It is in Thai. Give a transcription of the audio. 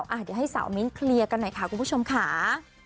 เดี๋ยวให้สาวมิ้นเคลียร์กันหน่อยค่ะคุณผู้ชมค่ะ